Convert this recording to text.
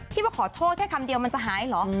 ขอโทษแค่คำเดียวมันจะหายเหรอ